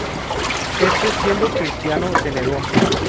Éste, siendo cristiano, se negó.